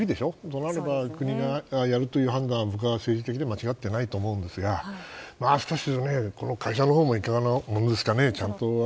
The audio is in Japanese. となれば、国がやるという判断は僕は政治的に間違ってないと思うんですがしかし、この会社のほうもいかがなものですかね。